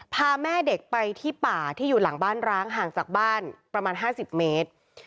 พาแม่เด็กไปที่ป่าที่อยู่หลังบ้านร้างห่างจากบ้านประมาณ๕๐เมตร